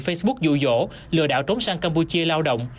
facebook dụ dỗ lừa đảo trốn sang campuchia lao động